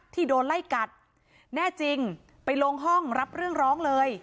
ที่โดนไล่กัดแน่จริงไปลงห้องรับเรื่องร้องเลย